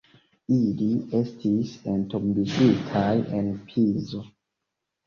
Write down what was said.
Ili estis entombigitaj en Pizo.